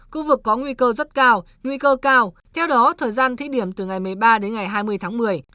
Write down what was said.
khu vực có nguy cơ rất cao nguy cơ cao theo đó thời gian thí điểm từ ngày một mươi ba đến ngày hai mươi tháng một mươi